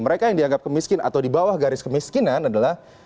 mereka yang dianggap kemiskin atau di bawah garis kemiskinan adalah